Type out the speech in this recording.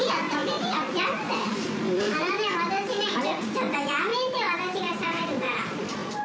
ちょっとやめて、私がしゃべるから。